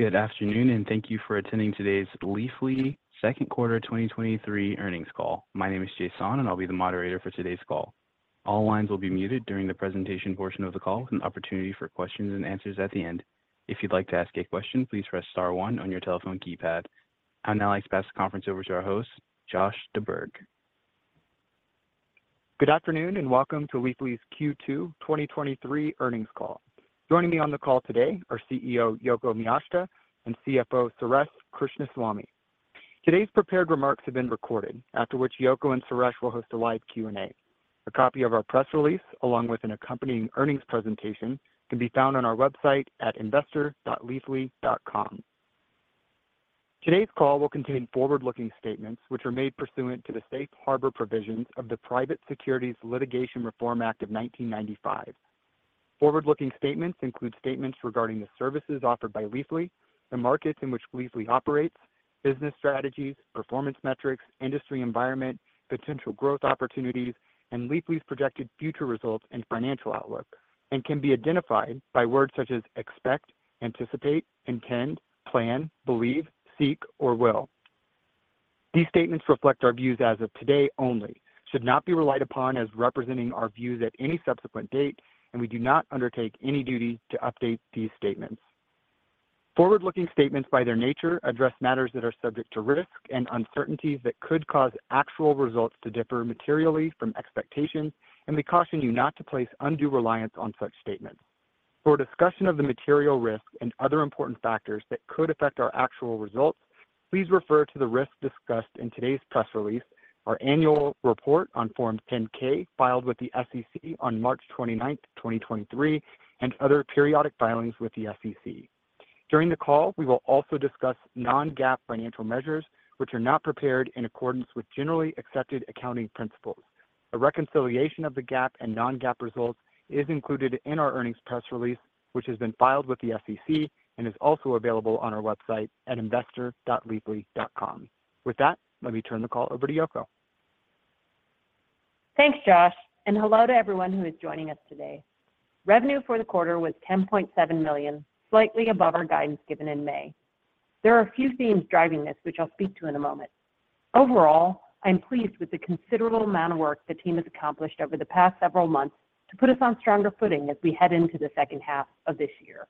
Good afternoon, thank you for attending today's Leafly second quarter 2023 earnings call. My name is Jason, I'll be the moderator for today's call. All lines will be muted during the presentation portion of the call, with an opportunity for questions and answers at the end. If you'd like to ask a question, please press star one on your telephone keypad. I'll now pass the conference over to our host, Josh de St. Jean. Good afternoon, welcome to Leafly's Q2 2023 earnings call. Joining me on the call today are CEO, Yoko Miyashita, and CFO, Suresh Krishnaswamy. Today's prepared remarks have been recorded, after which Yoko and Suresh will host a live Q&A. A copy of our press release, along with an accompanying earnings presentation, can be found on our website at investor.leafly.com. Today's call will contain forward-looking statements, which are made pursuant to the Safe Harbor provisions of the Private Securities Litigation Reform Act of 1995. Forward-looking statements include statements regarding the services offered by Leafly, the markets in which Leafly operates, business strategies, performance metrics, industry environment, potential growth opportunities, and Leafly's projected future results and financial outlook, and can be identified by words such as expect, anticipate, intend, plan, believe, seek, or will. These statements reflect our views as of today only, should not be relied upon as representing our views at any subsequent date, and we do not undertake any duty to update these statements. Forward-looking statements, by their nature, address matters that are subject to risks and uncertainties that could cause actual results to differ materially from expectations, and we caution you not to place undue reliance on such statements. For a discussion of the material risks and other important factors that could affect our actual results, please refer to the risks discussed in today's press release, our annual report on Form 10-K, filed with the SEC on March 29th, 2023, and other periodic filings with the SEC. During the call, we will also discuss non-GAAP financial measures, which are not prepared in accordance with generally accepted accounting principles. A reconciliation of the GAAP and non-GAAP results is included in our earnings press release, which has been filed with the SEC and is also available on our website at investor.leafly.com. With that, let me turn the call over to Yoko. Thanks, Josh, and hello to everyone who is joining us today. Revenue for the quarter was 10.7 million, slightly above our guidance given in May. There are a few themes driving this, which I'll speak to in a moment. Overall, I'm pleased with the considerable amount of work the team has accomplished over the past several months to put us on stronger footing as we head into the second half of this year.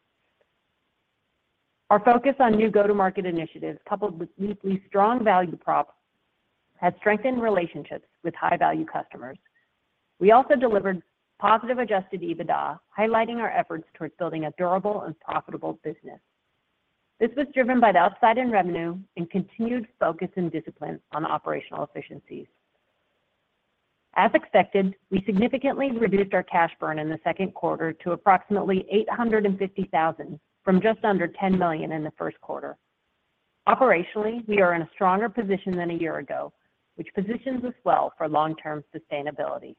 Our focus on new go-to-market initiatives, coupled with Leafly's strong value prop, has strengthened relationships with high-value customers. We also delivered positive adjusted EBITDA, highlighting our efforts towards building a durable and profitable business. This was driven by the upside in revenue and continued focus and discipline on operational efficiencies. As expected, we significantly reduced our cash burn in the second quarter to approximately 850,000, from just under 10 million in the first quarter. Operationally, we are in a stronger position than a year ago, which positions us well for long-term sustainability.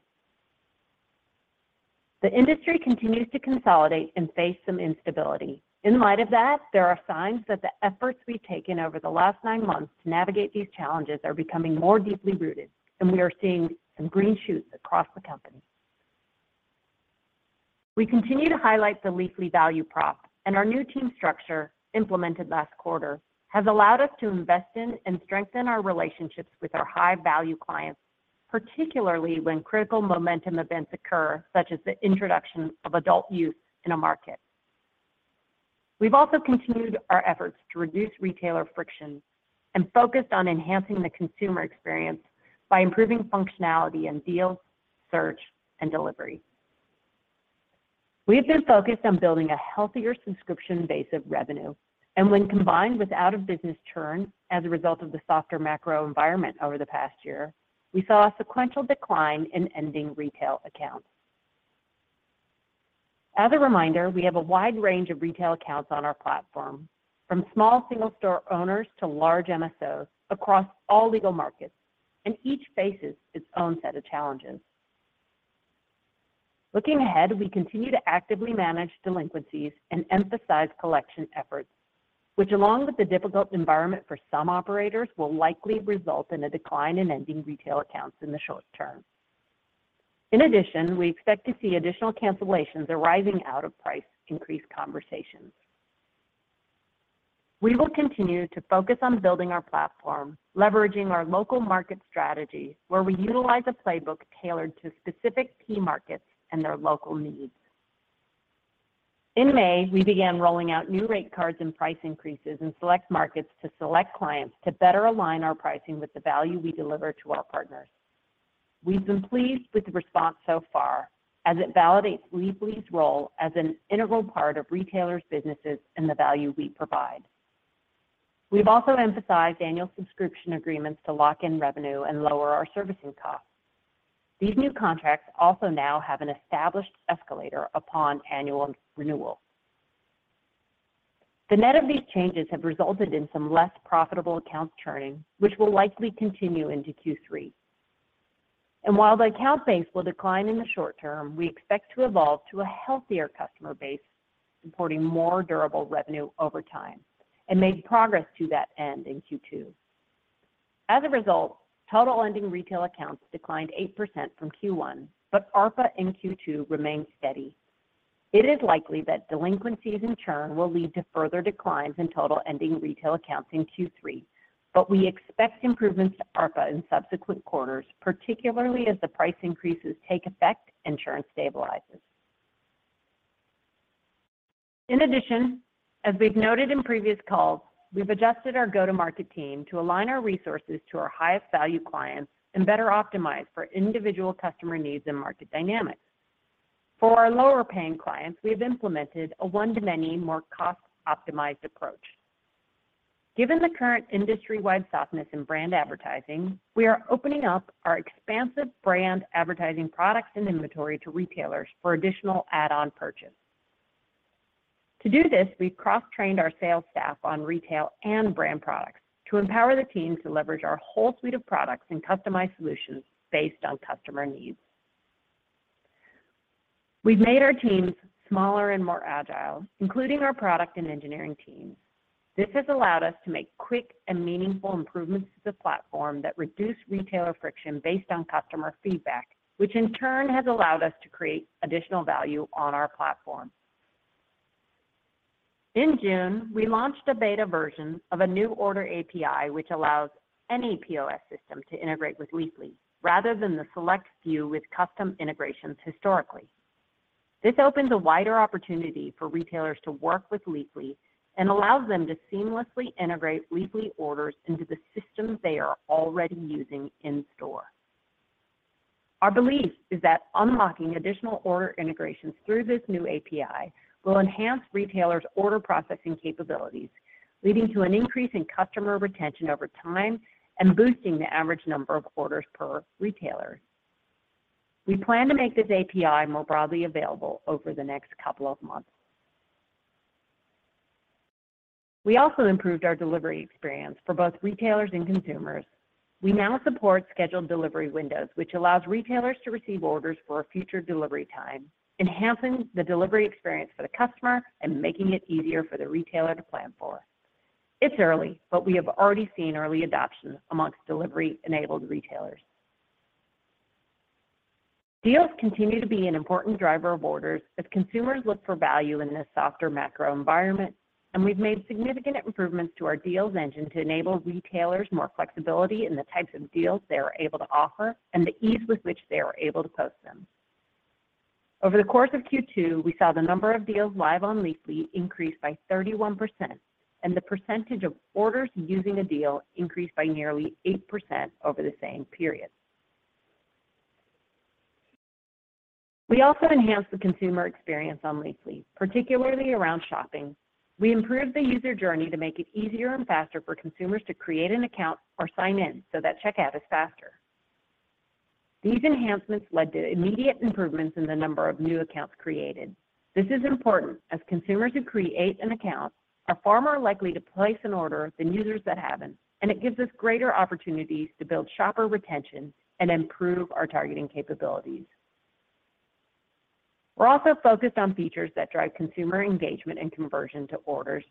The industry continues to consolidate and face some instability. In light of that, there are signs that the efforts we've taken over the last nine months to navigate these challenges are becoming more deeply rooted, and we are seeing some green shoots across the company. We continue to highlight the Leafly value prop, and our new team structure, implemented last quarter, has allowed us to invest in and strengthen our relationships with our high-value clients, particularly when critical momentum events occur, such as the introduction of adult use in a market. We've also continued our efforts to reduce retailer friction and focused on enhancing the consumer experience by improving functionality in deals, search, and delivery. We have been focused on building a healthier subscription base of revenue, and when combined with out-of-business churn as a result of the softer macro environment over the past year, we saw a sequential decline in ending retail accounts. As a reminder, we have a wide range of retail accounts on our platform, from small single-store owners to large MSOs across all legal markets, and each faces its own set of challenges. Looking ahead, we continue to actively manage delinquencies and emphasize collection efforts, which, along with the difficult environment for some operators, will likely result in a decline in ending retail accounts in the short term. In addition, we expect to see additional cancellations arising out of price increase conversations. We will continue to focus on building our platform, leveraging our local market strategy, where we utilize a playbook tailored to specific key markets and their local needs. In May, we began rolling out new rate cards and price increases in select markets to select clients to better align our pricing with the value we deliver to our partners. We've been pleased with the response so far, as it validates Leafly's role as an integral part of retailers' businesses and the value we provide. We've also emphasized annual subscription agreements to lock in revenue and lower our servicing costs. These new contracts also now have an established escalator upon annual renewal. The net of these changes have resulted in some less profitable accounts churning, which will likely continue into Q3. While the account base will decline in the short term, we expect to evolve to a healthier customer base, supporting more durable revenue over time, and made progress to that end in Q2. As a result, total ending retail accounts declined 8% from Q1, but ARPA in Q2 remained steady. It is likely that delinquencies and churn will lead to further declines in total ending retail accounts in Q3, but we expect improvements to ARPA in subsequent quarters, particularly as the price increases take effect and churn stabilizes. In addition, as we've noted in previous calls, we've adjusted our go-to-market team to align our resources to our highest value clients and better optimize for individual customer needs and market dynamics. For our lower-paying clients, we have implemented a one-to-many, more cost-optimized approach. Given the current industry-wide softness in brand advertising, we are opening up our expansive brand advertising products and inventory to retailers for additional add-on purchase. To do this, we've cross-trained our sales staff on retail and brand products to empower the teams to leverage our whole suite of products and customized solutions based on customer needs. We've made our teams smaller and more agile, including our product and engineering teams. This has allowed us to make quick and meaningful improvements to the platform that reduce retailer friction based on customer feedback, which in turn has allowed us to create additional value on our platform. In June, we launched a beta version of a new Order API, which allows any POS system to integrate with Leafly, rather than the select few with custom integrations historically. This opens a wider opportunity for retailers to work with Leafly and allows them to seamlessly integrate Leafly orders into the systems they are already using in store. Our belief is that unlocking additional order integrations through this new API will enhance retailers' order processing capabilities, leading to an increase in customer retention over time and boosting the average number of orders per retailer. We plan to make this API more broadly available over the next couple of months. We also improved our delivery experience for both retailers and consumers. We now support scheduled delivery windows, which allows retailers to receive orders for a future delivery time, enhancing the delivery experience for the customer and making it easier for the retailer to plan for. It's early, but we have already seen early adoption amongst delivery-enabled retailers. Deals continue to be an important driver of orders as consumers look for value in this softer macro environment, and we've made significant improvements to our deals engine to enable retailers more flexibility in the types of deals they are able to offer and the ease with which they are able to post them. Over the course of Q2, we saw the number of deals live on Leafly increase by 31%, and the percentage of orders using a deal increased by nearly 8% over the same period. We also enhanced the consumer experience on Leafly, particularly around shopping. We improved the user journey to make it easier and faster for consumers to create an account or sign in so that checkout is faster. These enhancements led to immediate improvements in the number of new accounts created. This is important as consumers who create an account are far more likely to place an order than users that haven't. It gives us greater opportunities to build shopper retention and improve our targeting capabilities. We're also focused on features that drive consumer engagement and conversion to orders.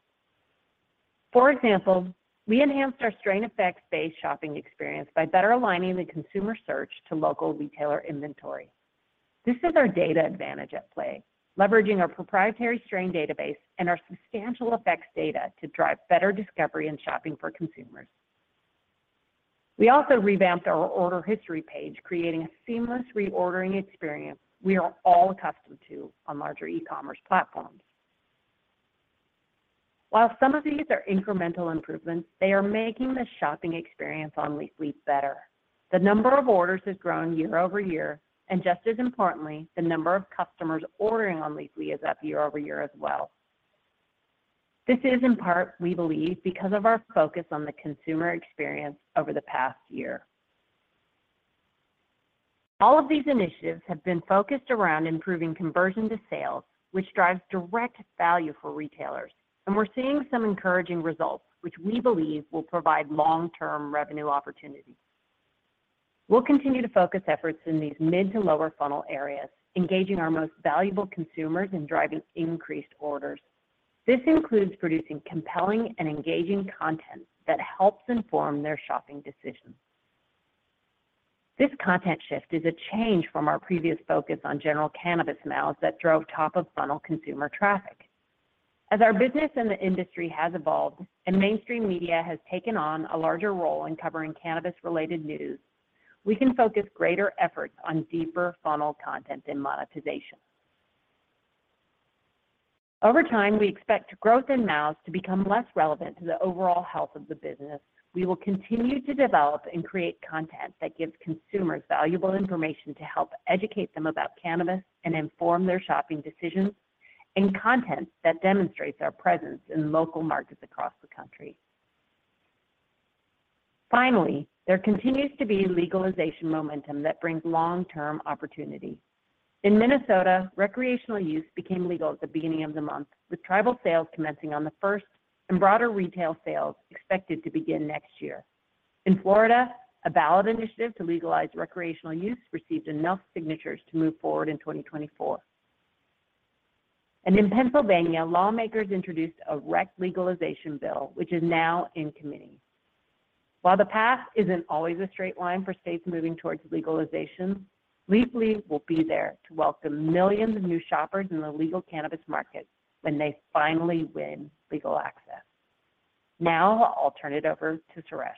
For example, we enhanced our strain effects-based shopping experience by better aligning the consumer search to local retailer inventory. This is our data advantage at play, leveraging our proprietary strain database and our substantial effects data to drive better discovery and shopping for consumers. We also revamped our order history page, creating a seamless reordering experience we are all accustomed to on larger e-commerce platforms. While some of these are incremental improvements, they are making the shopping experience on Leafly better. The number of orders has grown year-over-year, and just as importantly, the number of customers ordering on Leafly is up year-over-year as well. This is in part, we believe, because of our focus on the consumer experience over the past year. All of these initiatives have been focused around improving conversion to sales, which drives direct value for retailers, and we're seeing some encouraging results, which we believe will provide long-term revenue opportunities. We'll continue to focus efforts in these mid to lower funnel areas, engaging our most valuable consumers and driving increased orders. This includes producing compelling and engaging content that helps inform their shopping decisions. This content shift is a change from our previous focus on general cannabis MAUs that drove top-of-funnel consumer traffic. As our business and the industry has evolved and mainstream media has taken on a larger role in covering cannabis-related news, we can focus greater efforts on deeper funnel content and monetization. Over time, we expect growth in MAUs to become less relevant to the overall health of the business. We will continue to develop and create content that gives consumers valuable information to help educate them about cannabis and inform their shopping decisions, and content that demonstrates our presence in local markets across the country. Finally, there continues to be legalization momentum that brings long-term opportunity. In Minnesota, recreational use became legal at the beginning of the month, with tribal sales commencing on the first and broader retail sales expected to begin next year. In Florida, a ballot initiative to legalize recreational use received enough signatures to move forward in 2024. In Pennsylvania, lawmakers introduced a rec legalization bill, which is now in committee. While the path isn't always a straight line for states moving towards legalization, Leafly will be there to welcome millions of new shoppers in the legal cannabis market when they finally win legal access. Now, I'll turn it over to Suresh.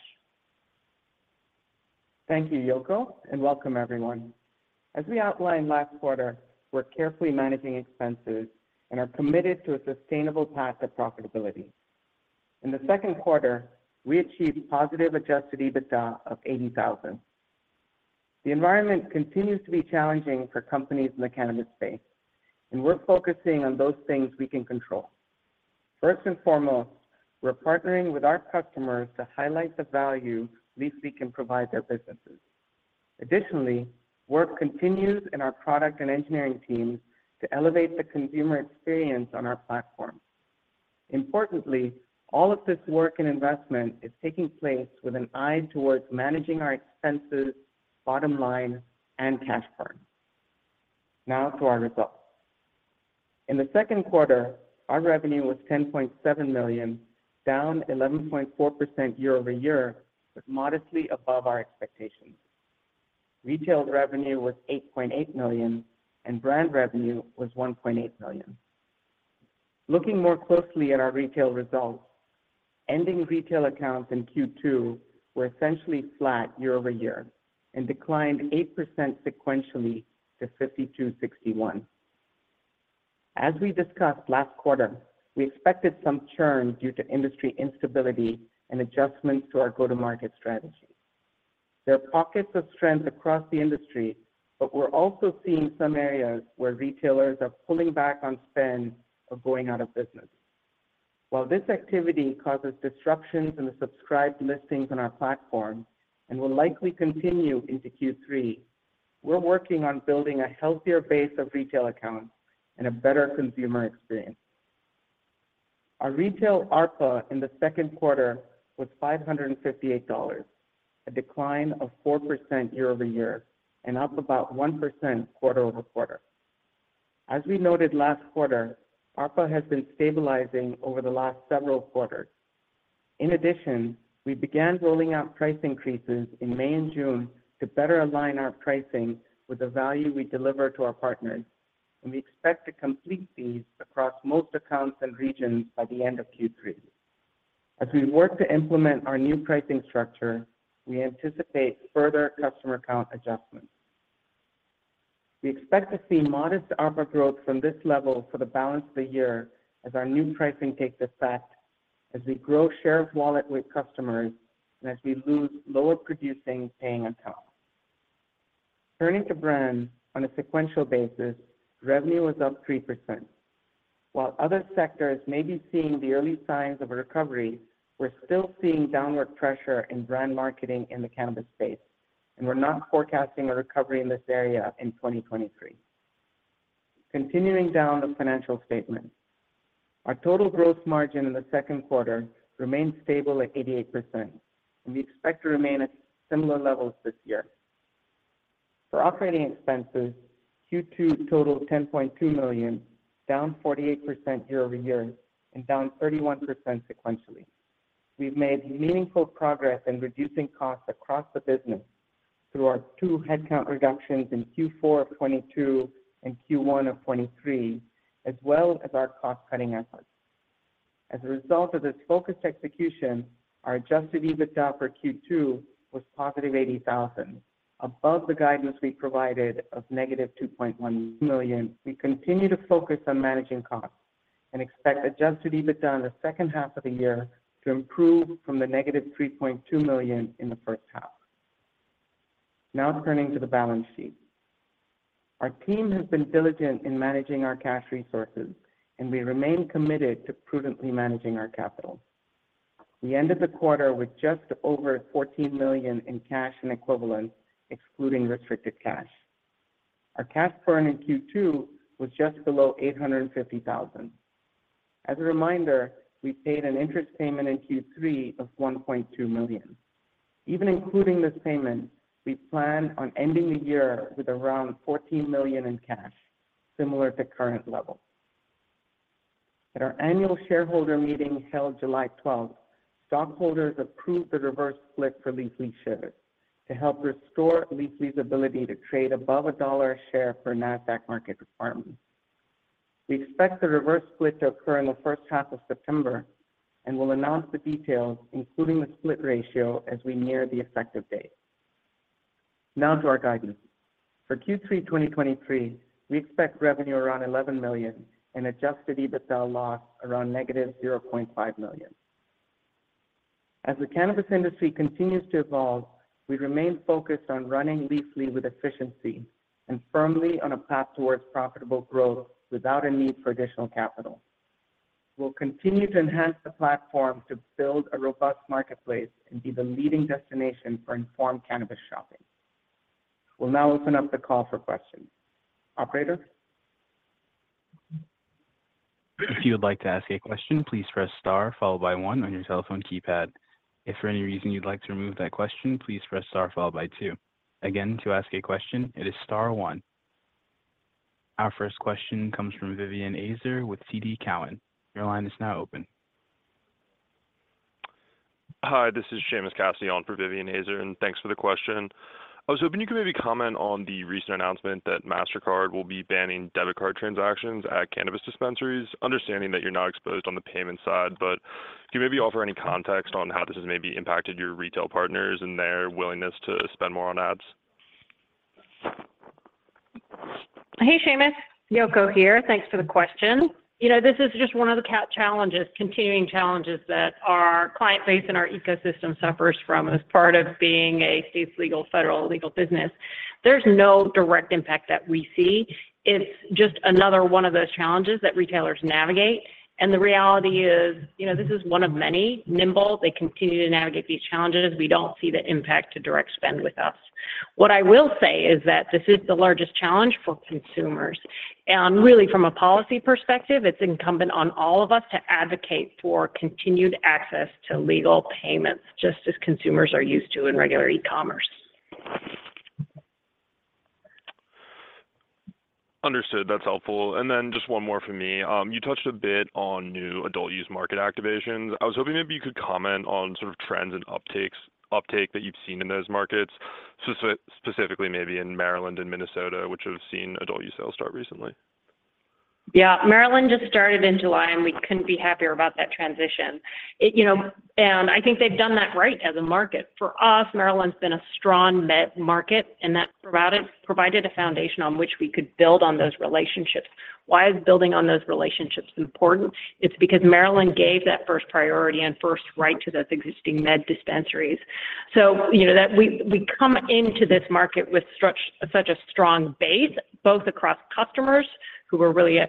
Thank you, Yoko, and welcome everyone. As we outlined last quarter, we're carefully managing expenses and are committed to a sustainable path of profitability. In the second quarter, we achieved positive adjusted EBITDA of 80,000. The environment continues to be challenging for companies in the cannabis space, and we're focusing on those things we can control. First and foremost, we're partnering with our customers to highlight the value Leafly can provide their businesses. Additionally, work continues in our product and engineering teams to elevate the consumer experience on our platform. Importantly, all of this work and investment is taking place with an eye towards managing our expenses, bottom line, and cash burn. Now to our results. In the second quarter, our revenue was 10.7 million, down 11.4% year-over-year, but modestly above our expectations. Retail revenue was 8.8 million, and brand revenue was 1.8 million. Looking more closely at our retail results, ending retail accounts in Q2 were essentially flat year-over-year and declined 8% sequentially to 5,261. As we discussed last quarter, we expected some churn due to industry instability and adjustments to our go-to-market strategy. There are pockets of strength across the industry, but we're also seeing some areas where retailers are pulling back on spend or going out of business. While this activity causes disruptions in the subscribed listings on our platform and will likely continue into Q3, we're working on building a healthier base of retail accounts and a better consumer experience. Our retail ARPA in the second quarter was $558, a decline of 4% year-over-year and up about 1% quarter-over-quarter. As we noted last quarter, ARPA has been stabilizing over the last several quarters. We began rolling out price increases in May and June to better align our pricing with the value we deliver to our partners, and we expect to complete these across most accounts and regions by the end of Q3. As we work to implement our new pricing structure, we anticipate further customer account adjustments. We expect to see modest ARPA growth from this level for the balance of the year as our new pricing takes effect, as we grow share of wallet with customers, and as we lose lower-producing, paying accounts. Turning to brands, on a sequential basis, revenue was up 3%. While other sectors may be seeing the early signs of a recovery, we're still seeing downward pressure in brand marketing in the cannabis space, we're not forecasting a recovery in this area in 2023. Continuing down the financial statement, our total growth margin in Q2 remained stable at 88%, we expect to remain at similar levels this year. For OpEx, Q2 totaled 10.2 million, down 48% year-over-year and down 31% sequentially. We've made meaningful progress in reducing costs across the business through our two headcount reductions in Q4 of 2022 and Q1 of 2023, as well as our cost-cutting efforts. As a result of this focused execution, our adjusted EBITDA for Q2 was positive $80,000, above the guidance we provided of negative $2.1 million. We continue to focus on managing costs and expect adjusted EBITDA in the second half of the year to improve from the negative 3.2 million in the first half. Turning to the balance sheet. Our team has been diligent in managing our cash resources, and we remain committed to prudently managing our capital. We ended the quarter with just over 14 million in cash and equivalents, excluding restricted cash. Our cash burn in Q2 was just below 850000. As a reminder, we paid an interest payment in Q3 of 1.2 million. Even including this payment, we plan on ending the year with around 14 million in cash, similar to current levels. At our annual shareholder meeting held July 12th, stockholders approved the reverse split for Leafly shares to help restore Leafly's ability to trade above a dollor share for Nasdaq market requirements. We expect the reverse split to occur in the first half of September and will announce the details, including the split ratio, as we near the effective date. Now to our guidance. For Q3 2023, we expect revenue around 11 million and adjusted EBITDA loss around -0.5 million. As the cannabis industry continues to evolve, we remain focused on running Leafly with efficiency and firmly on a path towards profitable growth without a need for additional capital. We'll continue to enhance the platform to build a robust marketplace and be the leading destination for informed cannabis shopping. We'll now open up the call for questions. Operator?... If you would like to ask a question, please press star followed by one on your telephone keypad. If for any reason you'd like to remove that question, please press star followed by two. Again, to ask a question, it is star one. Our first question comes from Vivien Azer with TD Cowen. Your line is now open. Hi, this is Seamus Cassidy on for Vivien Azer. Thanks for the question. I was hoping you could maybe comment on the recent announcement that Mastercard will be banning debit card transactions at cannabis dispensaries, understanding that you're not exposed on the payment side. Can you maybe offer any context on how this has maybe impacted your retail partners and their willingness to spend more on ads? Hey, Seamus, Yoko here. Thanks for the question. You know, this is just one of the challenges, continuing challenges that our client base and our ecosystem suffers from as part of being a state legal, federal legal business. There's no direct impact that we see. It's just another one of those challenges that retailers navigate, and the reality is, you know, this is one of many. Nimble, they continue to navigate these challenges. We don't see the impact to direct spend with us. What I will say is that this is the largest challenge for consumers, and really from a policy perspective, it's incumbent on all of us to advocate for continued access to legal payments, just as consumers are used to in regular e-commerce. Understood. That's helpful. Then just one more from me. You touched a bit on new adult use market activations. I was hoping maybe you could comment on sort of trends and uptakes, uptake that you've seen in those markets, specifically maybe in Maryland and Minnesota, which have seen adult use sales start recently. Yeah, Maryland just started in July, and we couldn't be happier about that transition. It, you know, and I think they've done that right as a market. For us, Maryland's been a strong med market, and that provided, provided a foundation on which we could build on those relationships. Why is building on those relationships important? It's because Maryland gave that first priority and first right to those existing med dispensaries. You know, that we, we come into this market with such a strong base, both across customers who are really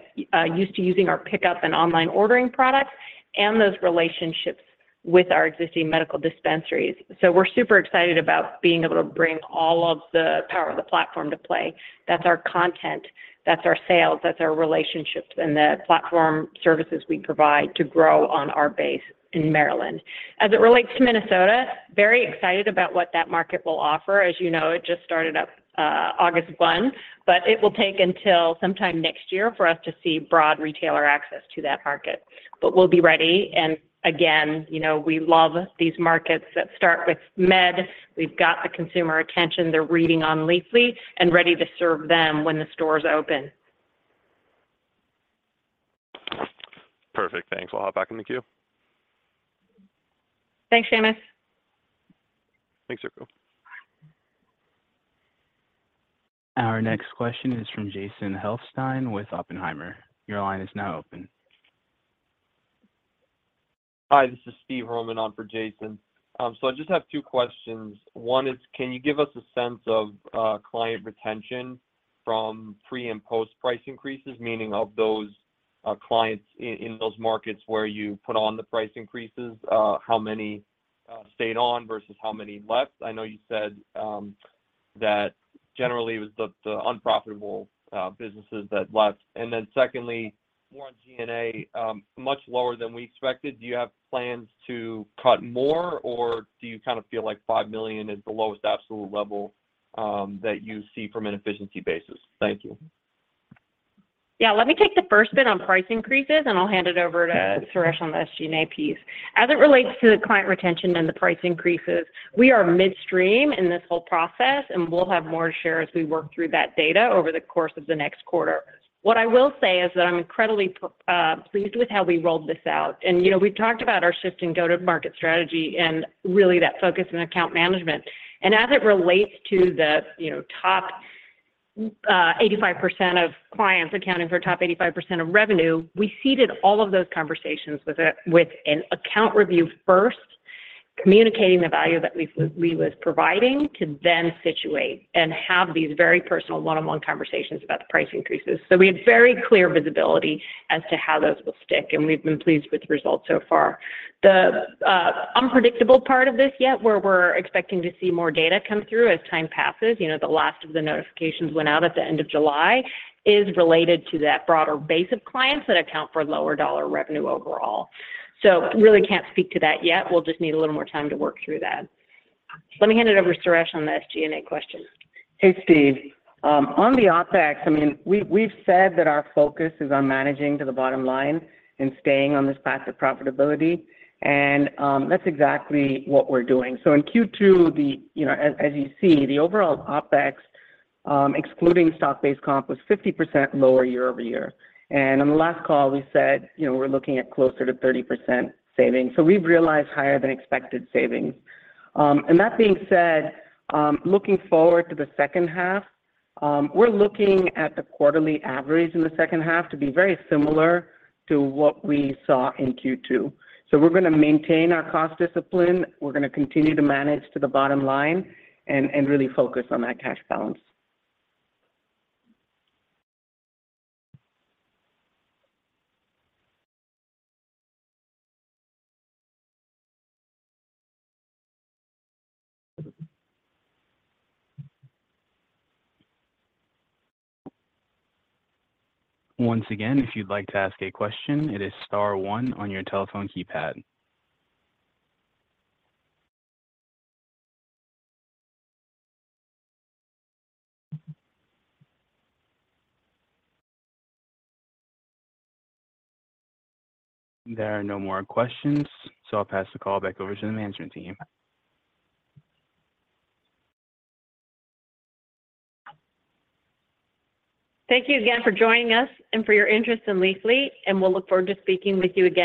used to using our pickup and online ordering products, and those relationships with our existing medical dispensaries. We're super excited about being able to bring all of the power of the platform to play. That's our content, that's our sales, that's our relationships, and the platform services we provide to grow on our base in Maryland. As it relates to Minnesota, very excited about what that market will offer. As you know, it just started up, August 1, but it will take until sometime next year for us to see broad retailer access to that market. We'll be ready, and again, you know, we love these markets that start with med. We've got the consumer attention, they're reading on Leafly, and ready to serve them when the stores open. Perfect, thanks. We'll hop back in the queue. Thanks, Seamus. Thanks, Yoko. Our next question is from Jason Helfstein with Oppenheimer. Your line is now open. Hi, this is Steve Roman on for Jason Helfstein. So I just have two questions. One is, can you give us a sense of client retention from pre- and post-price increases, meaning of those clients in those markets where you put on the price increases, how many stayed on versus how many left? I know you said that generally it was the unprofitable businesses that left. And then secondly, more on G&A, much lower than we expected. Do you have plans to cut more, or do you kind of feel like 5 million is the lowest absolute level that you see from an efficiency basis? Thank you. Yeah, let me take the first bit on price increases, and I'll hand it over to Suresh on the G&A piece. As it relates to the client retention and the price increases, we are midstream in this whole process, and we'll have more to share as we work through that data over the course of the next quarter. What I will say is that I'm incredibly pleased with how we rolled this out. You know, we've talked about our shift in go-to-market strategy and really that focus on account management. As it relates to the, you know, top 85% of clients accounting for top 85% of revenue, we seeded all of those conversations with a, with an account review first, communicating the value that Leafly, Leafly was providing, to then situate and have these very personal one-on-one conversations about the price increases. We had very clear visibility as to how those will stick, and we've been pleased with the results so far. The unpredictable part of this yet, where we're expecting to see more data come through as time passes, you know, the last of the notifications went out at the end of July, is related to that broader base of clients that account for lower dollar revenue overall. Really can't speak to that yet. We'll just need a little more time to work through that. Let me hand it over to Suresh on the G&A question. Hey, Steve. On the OpEx, I mean, we, we've said that our focus is on managing to the bottom line and staying on this path of profitability, that's exactly what we're doing. In Q2, the, you know, as, as you see, the overall OpEx, excluding stock-based compensation, was 50% lower year-over-year. On the last call, we said, you know, we're looking at closer to 30% savings. We've realized higher than expected savings. That being said, looking forward to the second half, we're looking at the quarterly average in the second half to be very similar to what we saw in Q2. We're gonna maintain our cost discipline, we're gonna continue to manage to the bottom line, and, and really focus on that cash balance. Once again, if you'd like to ask a question, it is star one on your telephone keypad. There are no more questions, I'll pass the call back over to the management team. Thank you again for joining us and for your interest in Leafly, and we'll look forward to speaking with you again soon.